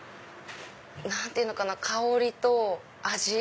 何て言うのかな香りと味。